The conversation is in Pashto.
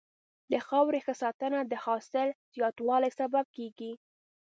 د خاورې ښه ساتنه د حاصل زیاتوالي سبب کېږي.